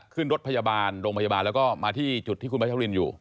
ขึ้นรถพยาบาลโรงพยาบาลแล้วก็มาที่จุดที่คุณพัชรินอยู่